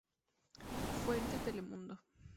Fuente: Telemundo.